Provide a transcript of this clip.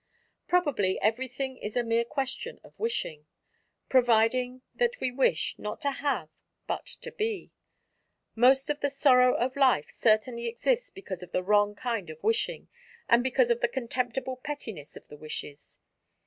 Probably everything is a mere question of wishing, providing that we wish, not to have, but to be. Most of the sorrow of life certainly exists because of the wrong kind of wishing and because of the contemptible pettiness of the wishes.